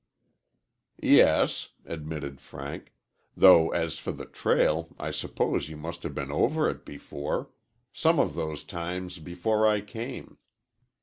"Yes," admitted Frank; "though as for the trail, I suppose you must have been over it before some of those times before I came."